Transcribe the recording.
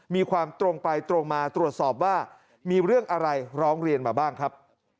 มีความตรงไปตรงมาตรวจสอบว่ามีเรื่องอะไรร้องเรียนมาบ้างครับ